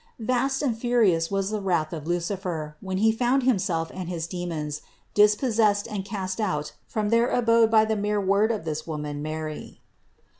319. Vast and furious was the wrath of Lucifer when he found himself and his demons dispossessed and cast out from their abode by the mere word of this woman Mary.